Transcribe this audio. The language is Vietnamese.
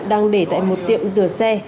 đang để tại một tiệm rửa xe